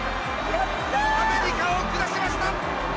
アメリカを下しました。